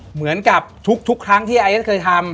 เหมือนกับทุกครั้งที่ไอเอสเคยทำ